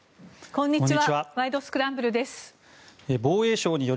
こんにちは。